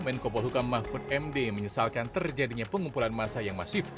menko polhukam mahfud md menyesalkan terjadinya pengumpulan massa yang masif